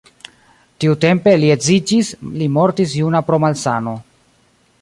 Tiutempe li edziĝis, li mortis juna pro malsano.